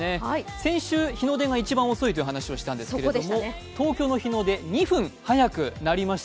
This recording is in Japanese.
先週、日の出が一番遅いという話をしたんですけど、東京の日の出、２分、早くなりました